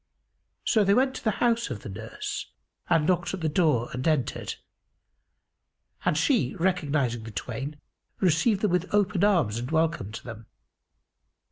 So they went to the house of the nurse and knocked at the door and entered; and she, recognising the twain, received them with open arms and welcomed them.